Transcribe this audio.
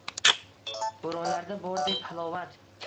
Bo‘ronlarda bordek halovat.